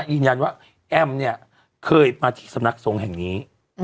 อินยันว่าแอมเนี่ยเคยมาที่สำนักทรงแห่งนี้